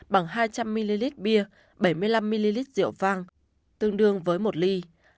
bằng hai trăm linh ml bia bảy mươi năm ml rượu vang tương đương với một ly